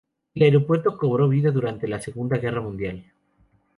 El aeropuerto cobró vida durante la Segunda Guerra Mundial.